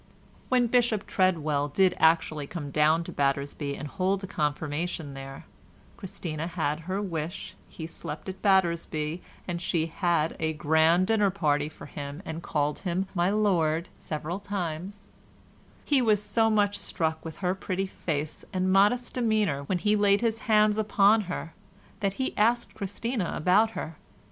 When Bishop Treadwell did actually come down to Battersby and hold a confirmation there (Christina had her wish, he slept at Battersby, and she had a grand dinner party for him, and called him "My lord" several times), he was so much struck with her pretty face and modest demeanour when he laid his hands upon her that he asked Christina about her.